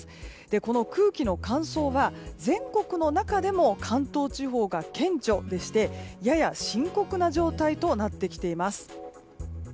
この空気の乾燥は全国の中でも関東地方が顕著でしてやや深刻な状態となってきています。